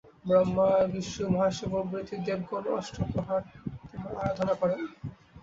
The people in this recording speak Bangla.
ব্রহ্মা, বিষ্ণু, মহেশ্বর প্রভৃতি দেবগণ অষ্ট প্রহর তোমার আরাধনা করেন।